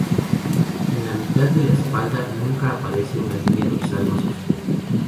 En la mitad de la espalda y nuca aparece una línea dorsal más oscura.